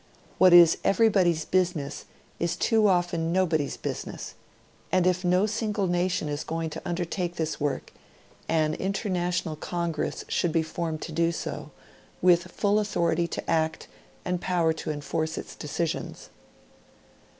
What is everybody's business is too often nobody's business, and if no single nation is going to undertake • this work, an international congress should be formed to do so, with full authority to act and power to enforce its decisions.